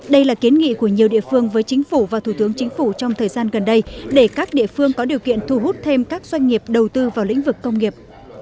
đây là kiến nghị của nhiều địa phương với chính phủ và thủ tướng chính phủ trong thời gian gần đây để các địa phương có điều kiện thu hút thêm các doanh nghiệp đầu tư vào lĩnh vực công nghiệp